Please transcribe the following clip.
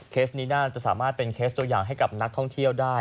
นี้น่าจะสามารถเป็นเคสตัวอย่างให้กับนักท่องเที่ยวได้